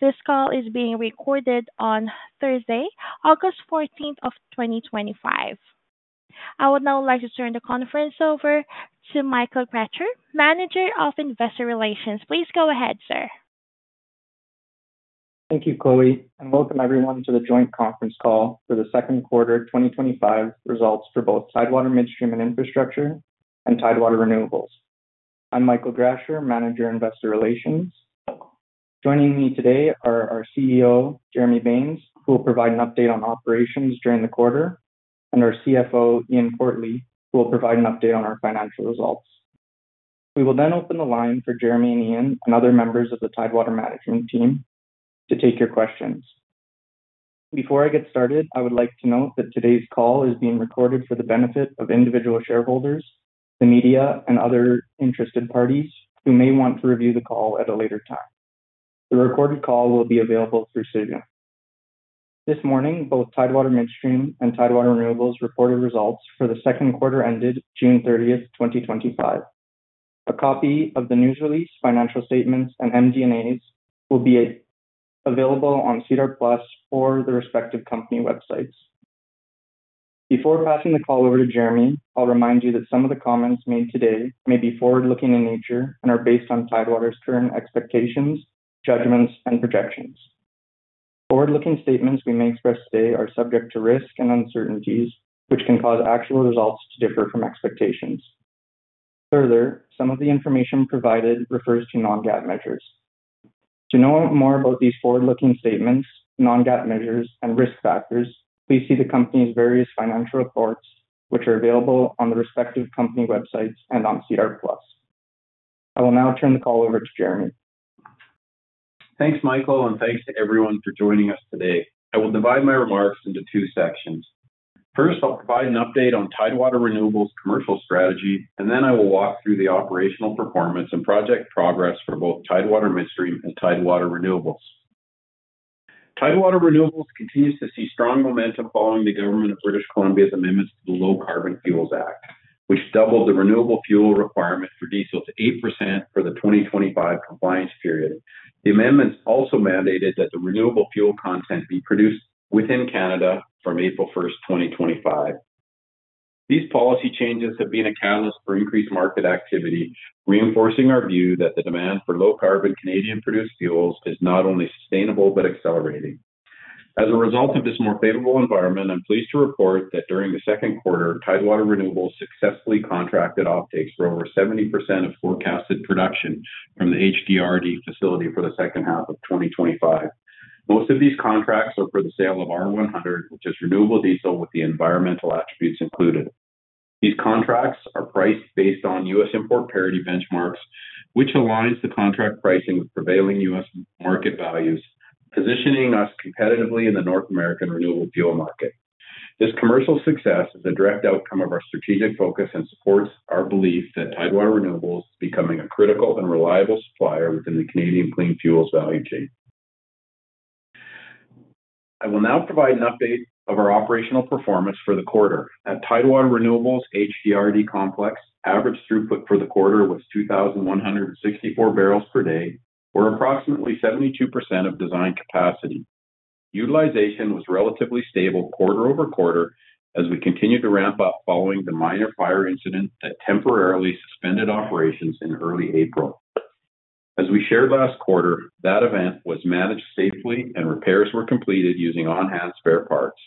This call is being recorded on Thursday, August 14th, 2025. I would now like to turn the conference over to Michael Gratcher, Manager of Investor Relations. Please go ahead, sir. Thank you, Chloe, and welcome everyone to the Joint Conference Call for the Second Quarter 2025 Results for both Tidewater Midstream and Infrastructure and Tidewater Renewables. I'm Michael Gratcher, Manager of Investor Relations. Joining me today are our CEO, Jeremy Baines, who will provide an update on operations during the quarter, and our CFO, Ian Quartly, who will provide an update on our financial results. We will then open the line for Jeremy and Ian and other members of the Tidewater Management team to take your questions. Before I get started, I would like to note that today's call is being recorded for the benefit of individual shareholders, the media, and other interested parties who may want to review the call at a later time. The recorded call will be available through Cision. This morning, both Tidewater Midstream and Tidewater Renewables reported results for the second quarter ended June 30th, 2025. A copy of the news release, financial statements, and MD&As will be available on SEDAR+ or the respective company websites. Before passing the call over to Jeremy, I'll remind you that some of the comments made today may be forward-looking in nature and are based on Tidewater's current expectations, judgments, and projections. Forward-looking statements we make for us today are subject to risk and uncertainties, which can cause actual results to differ from expectations. Further, some of the information provided refers to non-GAAP measures. To know more about these forward-looking statements, non-GAAP measures, and risk factors, please see the company's various financial reports, which are available on the respective company websites and on SEDAR+. I will now turn the call over to Jeremy. Thanks, Michael, and thanks to everyone for joining us today. I will divide my remarks into two sections. First, I'll provide an update on Tidewater Renewables' commercial strategy, and then I will walk through the operational performance and project progress for both Tidewater Midstream and Tidewater Renewables. Tidewater Renewables continues to see strong momentum following the Government of British Columbia's amendments to the Low Carbon Fuels Act, which doubled the renewable fuel requirement for diesel to 8% for the 2025 compliance period. The amendments also mandated that the renewable fuel content be produced within Canada from April 1st, 2025. These policy changes have been a catalyst for increased market activity, reinforcing our view that the demand for low-carbon Canadian-produced fuels is not only sustainable but accelerating. As a result of this more favorable environment, I'm pleased to report that during the second quarter, Tidewater Renewables successfully contracted uptakes for over 70% of forecasted production from the HDRD facility for the second half of 2025. Most of these contracts are for the sale of R100, which is renewable diesel with the environmental attributes included. These contracts are priced based on U.S. import parity benchmarks, which aligns the contract pricing with prevailing U.S. market values, positioning us competitively in the North American renewable fuel market. This commercial success is a direct outcome of our strategic focus and supports our belief that Tidewater Renewables is becoming a critical and reliable supplier within the Canadian clean fuels value chain. I will now provide an update of our operational performance for the quarter. At Tidewater Renewables' HDRD complex, average throughput for the quarter was 2,164 bbl per day, or approximately 72% of design capacity. Utilization was relatively stable quarter over quarter as we continued to ramp up following the minor fire incident that temporarily suspended operations in early April. As we shared last quarter, that event was managed safely and repairs were completed using on-hand spare parts.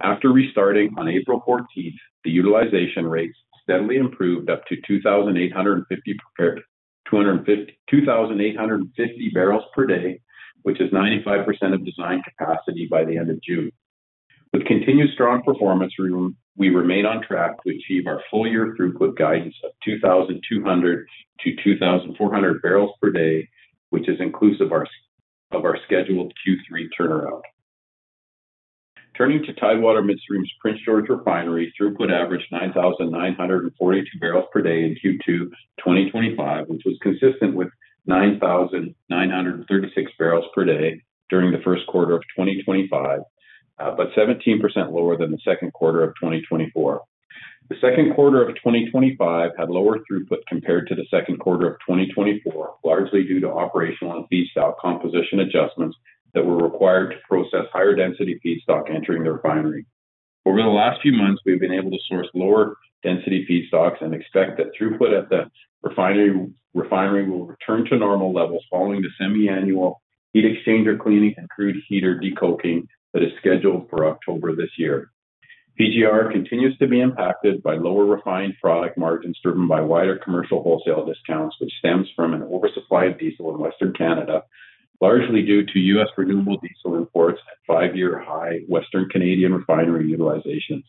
After restarting on April 14th, the utilization rates steadily improved up to 2,850 bbl per day, which is 95% of design capacity by the end of June. With continued strong performance, we remain on track to achieve our full-year throughput guidance of 2,200-2,400 bbl per day, which is inclusive of our scheduled Q3 turnaround. Turning to Tidewater Renewables' Prince George Refinery, throughput averaged 9,942 bbl per day in Q2 2025, which was consistent with 9,936 bbl per day during the first quarter of 2025, but 17% lower than the second quarter of 2024. The second quarter of 2025 had lower throughput compared to the second quarter of 2024, largely due to operational and feedstock composition adjustments that were required to process higher density feedstock entering the refinery. Over the last few months, we've been able to source lower density feedstocks and expect that throughput at the refinery will return to normal levels following the semi-annual heat exchanger cleaning and crude heater decoking that is scheduled for October this year. PGR continues to be impacted by lower refined product margins driven by wider commercial wholesale discounts, which stems from an oversupplied diesel market in Western Canada, largely due to U.S. renewable diesel imports at five-year high Western Canadian refinery utilizations.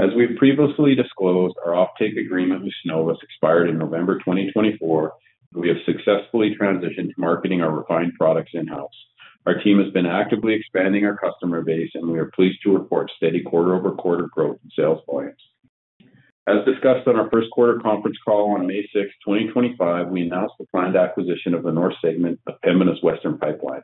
As we've previously disclosed, our off-take agreement with Cenovus expired in November 2024, and we have successfully transitioned to marketing our refined products in-house. Our team has been actively expanding our customer base, and we are pleased to report steady quarter-over-quarter growth in sales points. As discussed on our first quarter conference call on May 6th, 2025, we announced the planned acquisition of the north segment of the Pembina Western Pipeline.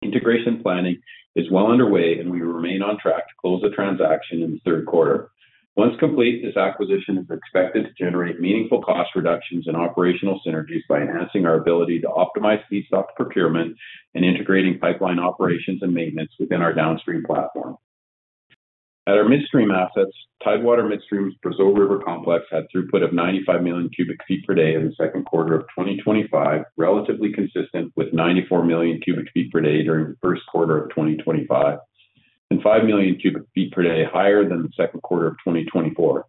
Integration planning is well underway, and we remain on track to close the transaction in the third quarter. Once complete, this acquisition is expected to generate meaningful cost reductions and operational synergies by enhancing our ability to optimize feedstock procurement and integrating pipeline operations and maintenance within our downstream platform. At our midstream assets, Tidewater Renewables' Brazeau River Complex had throughput of 95 million cu ft per day in the second quarter of 2025, relatively consistent with 94 million cu ft per day during the first quarter of 2025 and 5 million cu ft per day higher than the second quarter of 2024.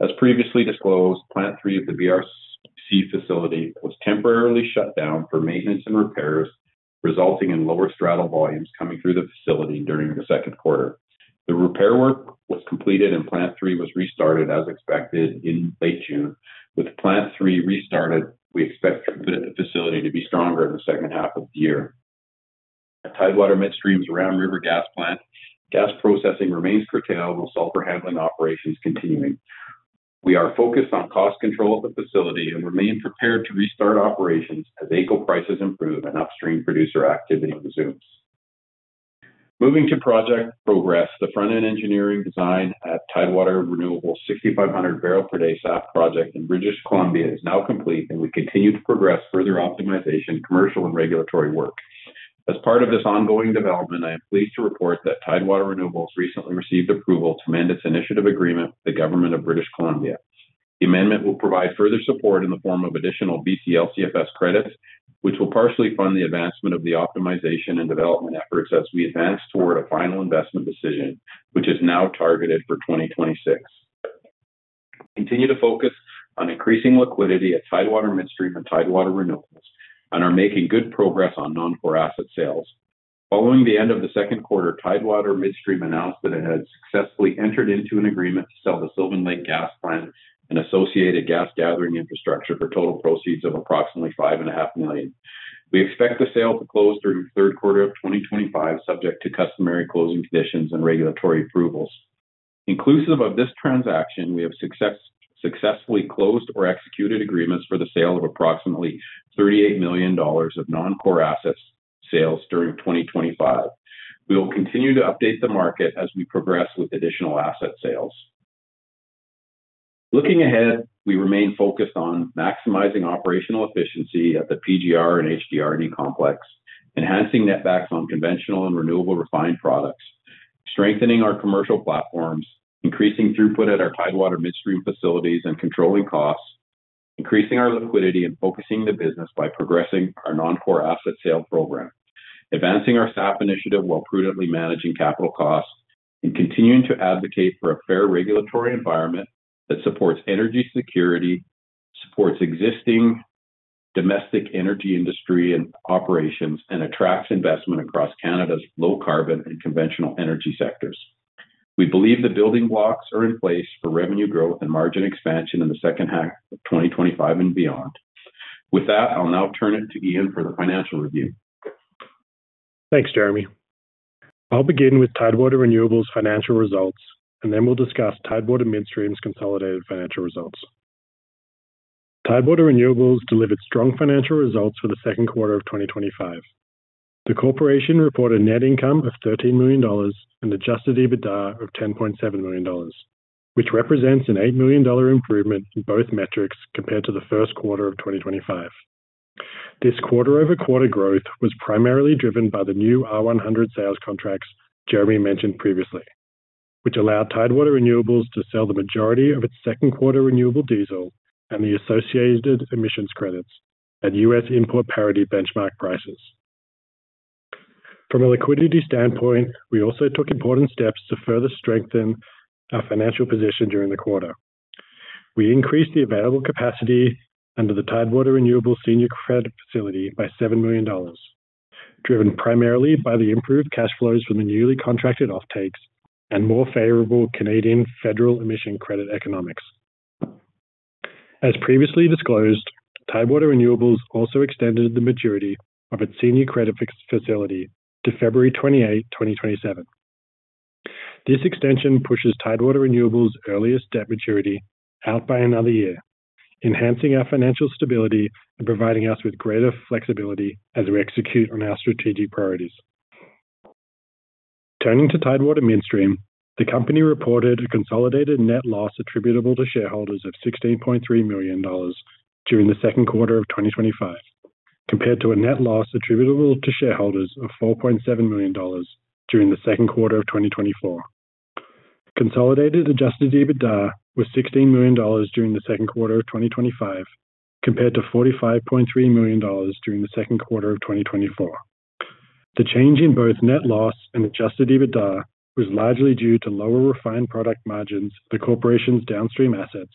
As previously disclosed, Plant 3 of the BRC facility was temporarily shut down for maintenance and repairs, resulting in lower straddle volumes coming through the facility during the second quarter. The repair work was completed and Plant 3 was restarted as expected in late June. With Plant 3 restarted, we expect the facility to be stronger in the second half of the year. At Tidewater Midstream's Ram River Gas Plant, gas processing remains curtailed, with sulfur handling operations continuing. We are focused on cost control of the facility and remain prepared to restart operations as vehicle prices improve and upstream producer activity resumes. Moving to project progress, the front-end engineering design at Tidewater Renewables' 6,500 bbl per day SAF project in British Columbia is now complete, and we continue to progress further optimization, commercial, and regulatory work. As part of this ongoing development, I am pleased to report that Tidewater Renewables recently received approval to amend its initiative agreement with the Government of British Columbia. The amendment will provide further support in the form of additional BC LCFS credits, which will partially fund the advancement of the optimization and development efforts as we advance toward a final investment decision, which is now targeted for 2026. We continue to focus on increasing liquidity at Tidewater Midstream and Tidewater Renewables and are making good progress on non-core asset sales. Following the end of the second quarter, Tidewater Midstream announced that it had successfully entered into an agreement to sell the Sylvan Lake Gas Plant and associated gas gathering infrastructure for total proceeds of approximately $5.5 million. We expect the sale to close during the third quarter of 2025, subject to customary closing conditions and regulatory approvals. Inclusive of this transaction, we have successfully closed or executed agreements for the sale of approximately $38 million of non-core asset sales during 2025. We will continue to update the market as we progress with additional asset sales. Looking ahead, we remain focused on maximizing operational efficiency at the PGR and HDRD complex, enhancing netbacks on conventional and renewable refined products, strengthening our commercial platforms, increasing throughput at our Tidewater Midstream facilities and controlling costs, increasing our liquidity, and focusing the business by progressing our non-core asset sale program, advancing our SAF initiative while prudently managing capital costs, and continuing to advocate for a fair regulatory environment that supports energy security, supports existing domestic energy industry and operations, and attracts investment across Canada's low-carbon and conventional energy sectors. We believe the building blocks are in place for revenue growth and margin expansion in the second half of 2025 and beyond. With that, I'll now turn it to Ian for the financial review. Thanks, Jeremy. I'll begin with Tidewater Renewables' financial results, and then we'll discuss Tidewater Midstream's consolidated financial results. Tidewater Renewables delivered strong financial results for the second quarter of 2025. The corporation reported a net income of $13 million and an adjusted EBITDA of $10.7 million, which represents an $8 million improvement in both metrics compared to the first quarter of 2025. This quarter-over-quarter growth was primarily driven by the new R100 sales contracts Jeremy mentioned previously, which allowed Tidewater Renewables to sell the majority of its second-quarter renewable diesel and the associated emissions credits at U.S. import parity benchmark prices. From a liquidity standpoint, we also took important steps to further strengthen our financial position during the quarter. We increased the available capacity under the Tidewater Renewables Senior Credit Facility by $7 million, driven primarily by the improved cash flows from the newly contracted off-takes and more favorable Canadian federal emission credit economics. As previously disclosed, Tidewater Renewables also extended the maturity of its Senior Credit Facility to February 28th, 2027. This extension pushes Tidewater Renewables' earliest debt maturity out by another year, enhancing our financial stability and providing us with greater flexibility as we execute on our strategic priorities. Turning to Tidewater Midstream, the company reported a consolidated net loss attributable to shareholders of $16.3 million during the second quarter of 2025, compared to a net loss attributable to shareholders of $4.7 million during the second quarter of 2024. Consolidated adjusted EBITDA was $16 million during the second quarter of 2025, compared to $45.3 million during the second quarter of 2024. The change in both net loss and adjusted EBITDA was largely due to lower refined product margins of the corporation's downstream assets,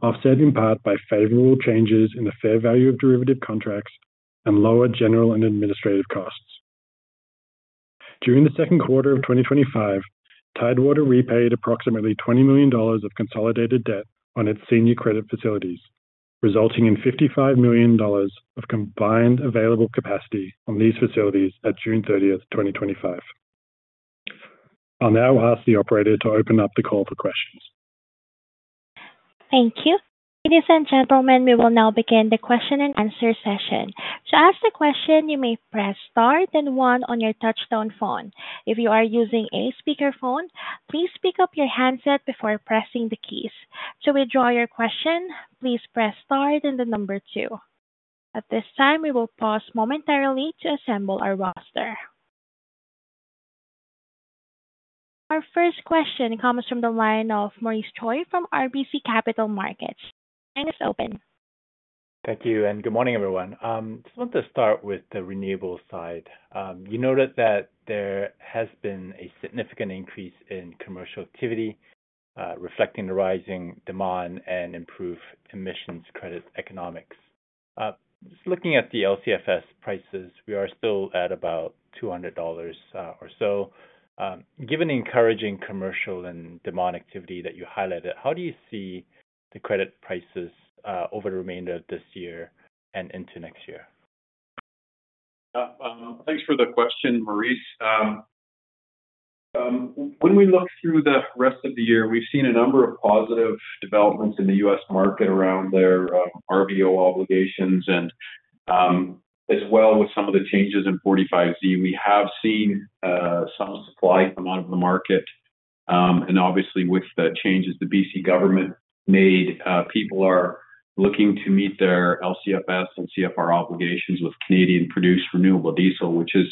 offset in part by favorable changes in the fair value of derivative contract valuations and lower general and administrative costs. During the second quarter of 2025, Tidewater repaid approximately $20 million of consolidated debt on its Senior Credit Facilities, resulting in $55 million of combined available capacity on these facilities at June 30th, 2025. I'll now ask the operator to open up the call for questions. Thank you. Ladies and gentlemen, we will now begin the question and answer session. To ask a question, you may press star and one on your touch-tone phone. If you are using a speakerphone, please pick up your handset before pressing the keys. To withdraw your question, please press star and the number two. At this time, we will pause momentarily to assemble our roster. Our first question comes from the line of Maurice Choy from RBC Capital Markets. Line is open. Thank you, and good morning, everyone. I just want to start with the renewable side. You noted that there has been a significant increase in commercial activity, reflecting the rising demand and improved emissions credit economics. Just looking at the BC LCFS prices, we are still at about $200 or so. Given the encouraging commercial and demand activity that you highlighted, how do you see the credit prices over the remainder of this year and into next year? Thanks for the question, Maurice. When we look through the rest of the year, we've seen a number of positive developments in the U.S. market around their RVO obligations, as well with some of the changes in 45Z. We have seen some supply come out of the market. Obviously, with the changes the Government of British Columbia made, people are looking to meet their BC LCFS and CFR obligations with Canadian-produced renewable diesel, which has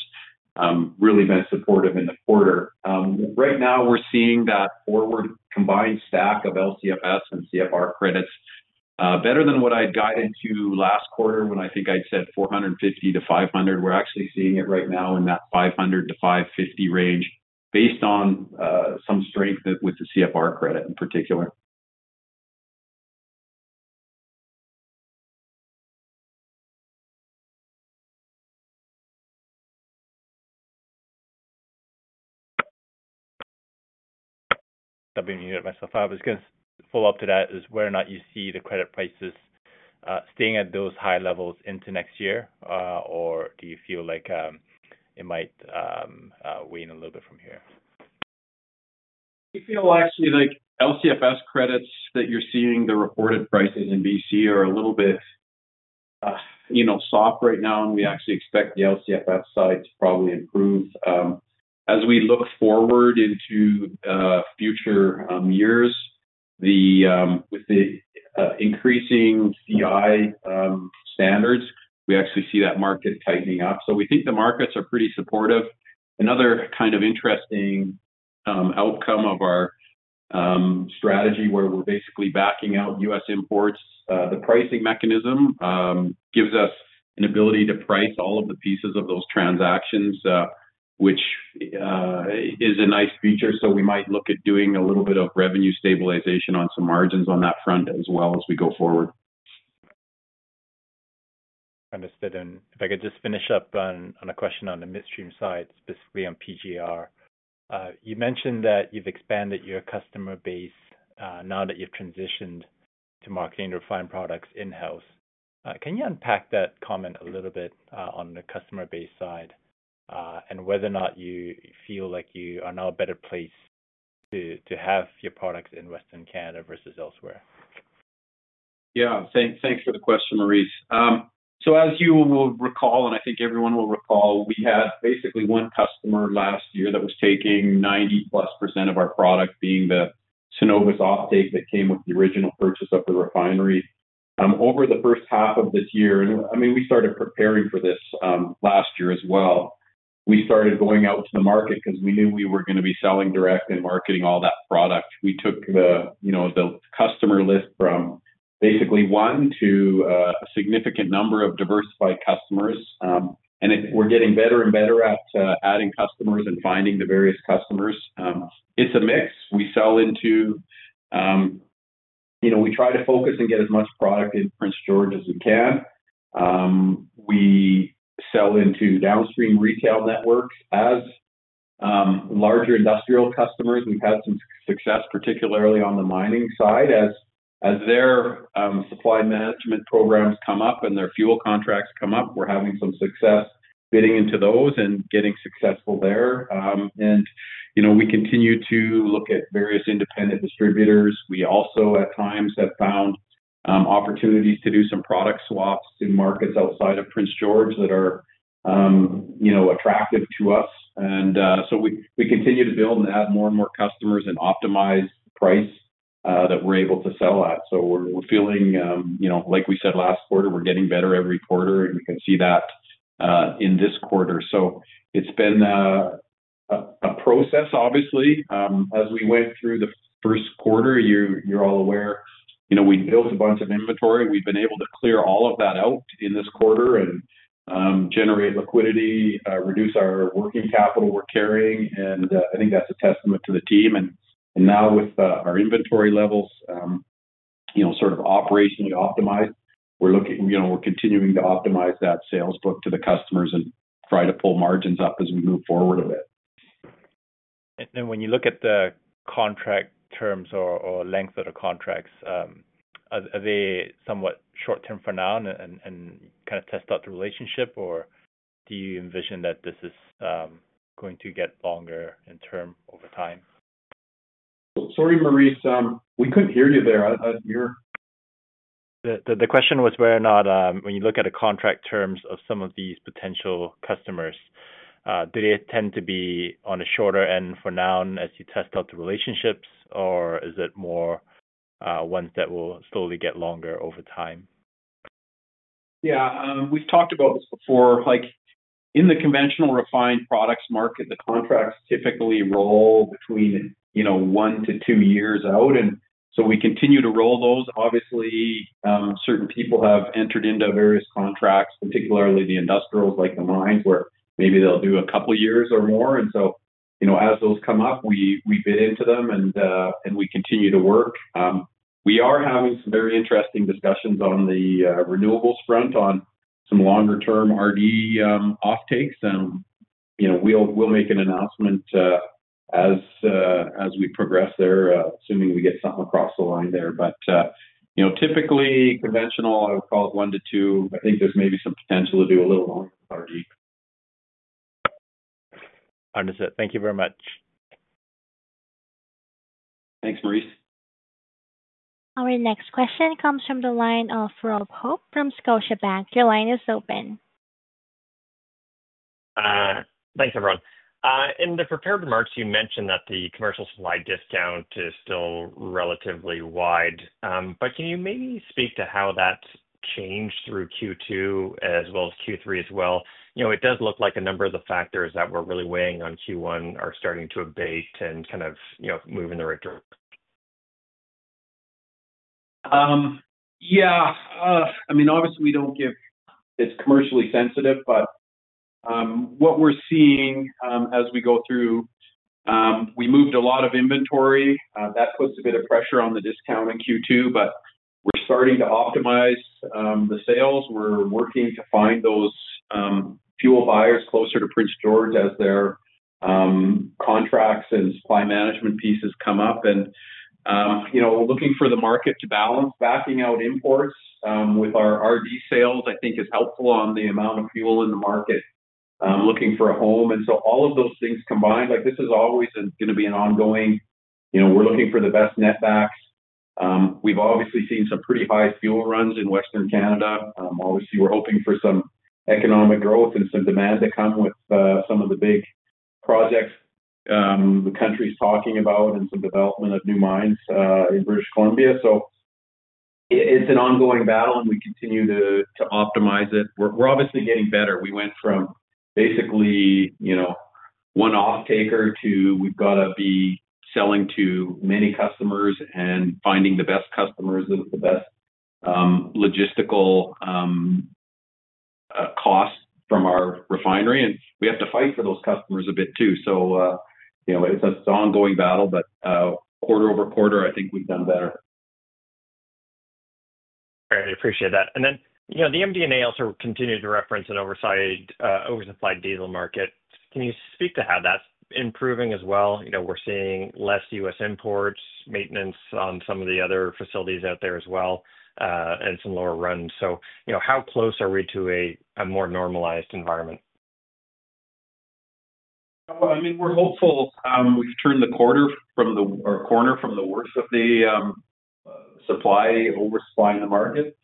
really been supportive in the quarter. Right now, we're seeing that forward combined stack of BC LCFS and CFR credits better than what I'd guided to last quarter when I think I'd said $450-$500. We're actually seeing it right now in that $500-$550 range based on some strength with the CFR credit in particular. I was going to follow up to that. Is whether or not you see the credit prices staying at those high levels into next year, or do you feel like it might wane a little bit from here? I feel actually like BC LCFS credits that you're seeing, the reported prices in British Columbia are a little bit, you know, soft right now, and we actually expect the BC LCFS side to probably improve. As we look forward into future years, with the increasing CI standards, we actually see that market tightening up. We think the markets are pretty supportive. Another kind of interesting outcome of our strategy where we're basically backing out U.S. imports, the pricing mechanism gives us an ability to price all of the pieces of those transactions, which is a nice feature. We might look at doing a little bit of revenue stabilization on some margins on that front as we go forward. Understood. If I could just finish up on a question on the midstream side, specifically on PGR, you mentioned that you've expanded your customer base now that you've transitioned to marketing refined products in-house. Can you unpack that comment a little bit on the customer base side and whether or not you feel like you are now in a better place to have your products in Western Canada versus elsewhere? Yeah, thanks for the question, Maurice. As you will recall, and I think everyone will recall, we had basically one customer last year that was taking 90% plus of our product, being the Cenovus off-take that came with the original purchase of the refinery. Over the first half of this year, and I mean, we started preparing for this last year as well, we started going out to the market because we knew we were going to be selling direct and marketing all that product. We took the customer list from basically one to a significant number of diversified customers. We're getting better and better at adding customers and finding the various customers. It's a mix. We sell into, you know, we try to focus and get as much product in Prince George as we can. We sell into downstream retail networks as larger industrial customers. We've had some success, particularly on the mining side. As their supply management programs come up and their fuel contracts come up, we're having some success bidding into those and getting successful there. We continue to look at various independent distributors. We also, at times, have found opportunities to do some product swaps in markets outside of Prince George that are attractive to us. We continue to build and add more and more customers and optimize the price that we're able to sell at. We're feeling, like we said last quarter, we're getting better every quarter, and we can see that in this quarter. It's been a process, obviously. As we went through the first quarter, you're all aware, we built a bunch of inventory. We've been able to clear all of that out in this quarter and generate liquidity, reduce our working capital we're carrying. I think that's a testament to the team. Now with our inventory levels, sort of operationally optimized, we're looking, we're continuing to optimize that sales book to the customers and try to pull margins up as we move forward a bit. When you look at the contract terms or length of the contracts, are they somewhat short-term for now and kind of test out the relationship, or do you envision that this is going to get longer in term over time? Sorry, Maurice, we couldn't hear you there. The question was whether or not when you look at the contract terms of some of these potential customers, do they tend to be on the shorter end for now as you test out the relationships, or is it more ones that will slowly get longer over time? Yeah, we've talked about this before. Like in the conventional refined products market, the contracts typically roll between, you know, one to two years out. We continue to roll those. Obviously, certain people have entered into various contracts, particularly the industrials like the mines, where maybe they'll do a couple of years or more. As those come up, we bid into them and we continue to work. We are having some very interesting discussions on the renewables front on some longer-term renewable diesel off-takes. We'll make an announcement as we progress there, assuming we get something across the line there. Typically, conventional, I would call it one to two. I think there's maybe some potential to do a little longer renewable diesel. Understood. Thank you very much. Thanks, Maurice. Our next question comes from the line of Rob Hope from Scotiabank. Your line is open. Thanks, everyone. In the prepared remarks, you mentioned that the commercial supply discount is still relatively wide. Can you maybe speak to how that's changed through Q2 as well as Q3 as well? It does look like a number of the factors that were really weighing on Q1 are starting to abate and move in the right direction. Yeah, I mean, obviously, we don't give. It's commercially sensitive, but what we're seeing as we go through, we moved a lot of inventory. That puts a bit of pressure on the discount in Q2, but we're starting to optimize the sales. We're working to find those fuel buyers closer to Prince George as their contracts and supply management pieces come up. You know, looking for the market to balance backing out imports with our RD sales, I think, is helpful on the amount of fuel in the market. I'm looking for a home. All of those things combined, like this is always going to be an ongoing, you know, we're looking for the best netbacks. We've obviously seen some pretty high fuel runs in Western Canada. We're hoping for some economic growth and some demand to come with some of the big projects the country's talking about and some development of new mines in British Columbia. It's an ongoing battle, and we continue to optimize it. We're obviously getting better. We went from basically, you know, one off-taker to we've got to be selling to many customers and finding the best customers with the best logistical cost from our refinery. We have to fight for those customers a bit too. It's an ongoing battle, but quarter over quarter, I think we've done better. All right, we appreciate that. The MD&A also continued to reference an oversupplied diesel market. Can you speak to how that's improving as well? We're seeing less U.S. imports, maintenance on some of the other facilities out there as well, and some lower runs. How close are we to a more normalized environment? We're hopeful we can turn the corner from the worst of the oversupply in the market.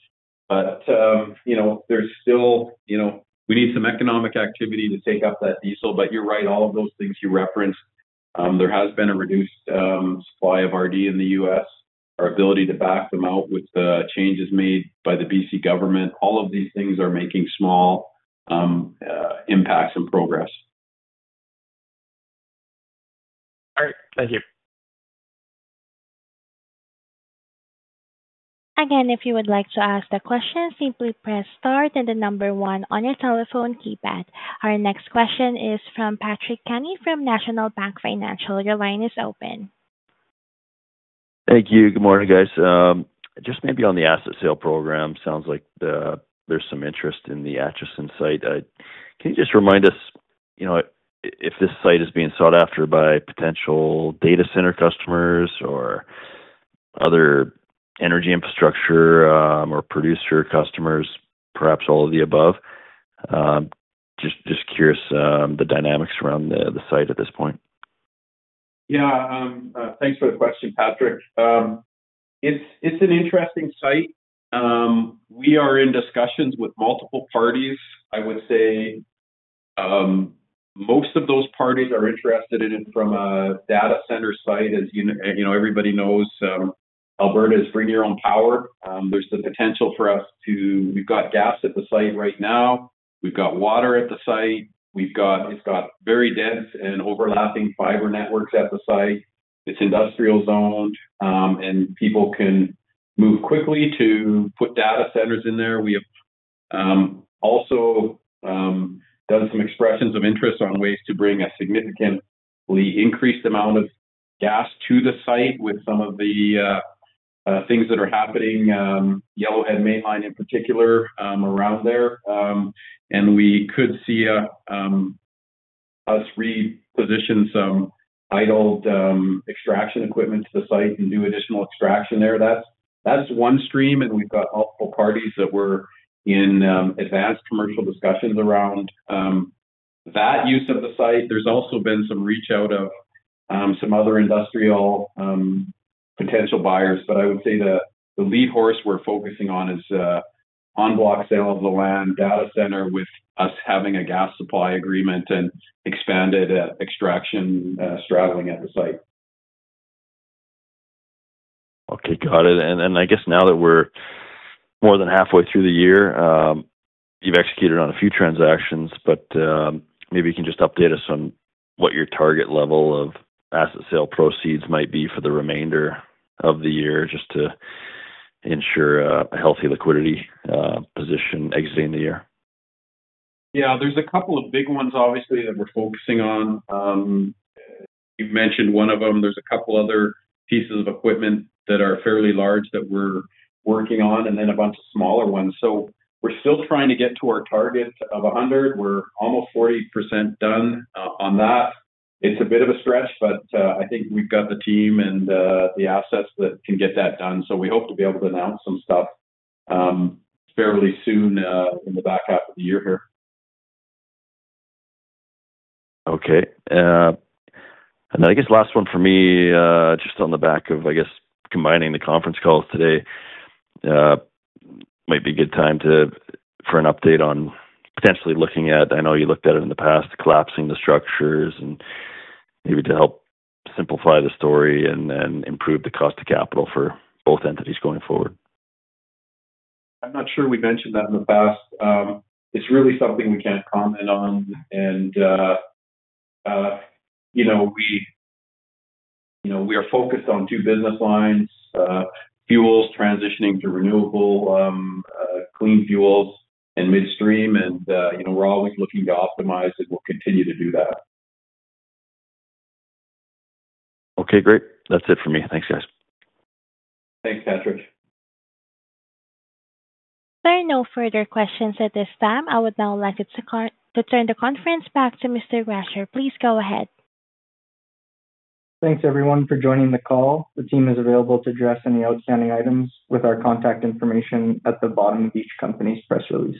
There's still, you know, we need some economic activity to take up that diesel. You're right, all of those things you referenced, there has been a reduced supply of renewable diesel in the U.S. Our ability to back them out with the changes made by the Government of British Columbia, all of these things are making small impacts and progress. All right, thank you. Again, if you would like to ask a question, simply press star and the number one on your telephone keypad. Our next question is from Patrick Kenny from National Bank Financial. Your line is open. Thank you. Good morning, guys. Just maybe on the asset sale program, sounds like there's some interest in the Acheson site. Can you just remind us if this site is being sought after by potential data center customers or other energy infrastructure or producer customers, perhaps all of the above? Just curious the dynamics around the site at this point. Yeah, thanks for the question, Patrick. It's an interesting site. We are in discussions with multiple parties. I would say most of those parties are interested in it from a data center site. As you know, everybody knows Alberta is bring your own power. There's the potential for us to, we've got gas at the site right now. We've got water at the site. We've got, it's got very dense and overlapping fiber networks at the site. It's industrial zoned, and people can move quickly to put data centers in there. We have also done some expressions of interest on ways to bring a significantly increased amount of gas to the site with some of the things that are happening, Yellowhead Mainline in particular around there. We could see us reposition some idled extraction equipment to the site and do additional extraction there. That's one stream, and we've got multiple parties that were in advanced commercial discussions around that use of the site. There's also been some reach out of some other industrial potential buyers, but I would say the lead horse we're focusing on is on-block sale of the land data center with us having a gas supply agreement and expanded extraction straddling at the site. Okay, got it. I guess now that we're more than halfway through the year, you've executed on a few transactions. Maybe you can just update us on what your target level of asset sale proceeds might be for the remainder of the year just to ensure a healthy liquidity position exiting the year. Yeah, there's a couple of big ones, obviously, that we're focusing on. You've mentioned one of them. There's a couple other pieces of equipment that are fairly large that we're working on, and then a bunch of smaller ones. We're still trying to get to our target of 100. We're almost 40% done on that. It's a bit of a stress, but I think we've got the team and the assets that can get that done. We hope to be able to announce some stuff fairly soon in the back half of the year here. Okay. I guess last one for me, just on the back of combining the conference calls today, it might be a good time for an update on potentially looking at, I know you looked at it in the past, collapsing the structures and maybe to help simplify the story and then improve the cost of capital for both entities going forward. I'm not sure we mentioned that in the past. It's really something we can't comment on. We are focused on two business lines: fuels transitioning to renewable clean fuels and midstream. We're always looking to optimize, and we'll continue to do that. Okay, great. That's it for me. Thanks, guys. Thanks, Patrick. There are no further questions at this time. I would now like to turn the conference back to Mr. Gratcher. Please go ahead. Thanks, everyone, for joining the call. The team is available to address any outstanding items with our contact information at the bottom of each company's press release.